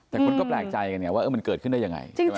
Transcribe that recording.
แต่คุณก็แปลกใจว่ามันเกิดขึ้นได้ยังไง